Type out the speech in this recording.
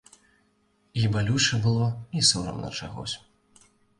І балюча было, і сорамна чагось.